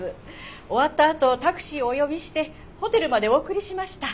終わったあとタクシーをお呼びしてホテルまでお送りしました。